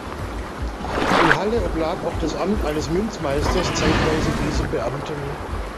In Halle oblag auch das Amt eines Münzmeisters zeitweise diesem Beamten.